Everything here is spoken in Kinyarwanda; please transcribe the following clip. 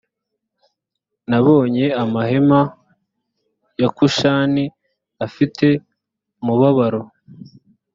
nabonye amahema ya kushani afite umubabaro